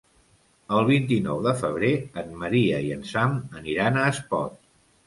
El vint-i-nou de febrer en Maria i en Sam aniran a Espot.